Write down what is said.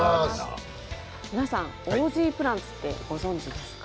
皆さんオージープランツはご存じですか。